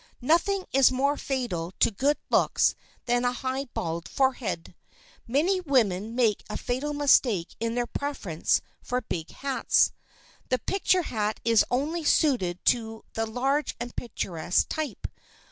Nothing is more fatal to good looks than a high bald forehead. Many women make a fatal mistake in their preference for big hats. The picture hat is only suited to the large and picturesque type.